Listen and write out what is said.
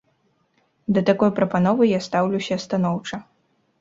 Да такой прапановы я стаўлюся станоўча.